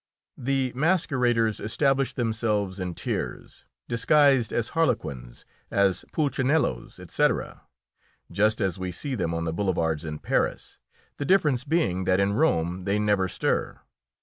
The masqueraders establish themselves in tiers, disguised as harlequins, as pulcinellos, etc., just as we see them on the boulevards in Paris, the difference being that in Rome they never stir.